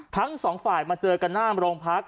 ทั้งสองฝ่ายมาเจอกันหน้าโรงพัก